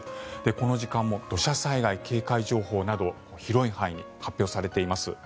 この時間も土砂災害警戒情報など広い範囲に発表されています。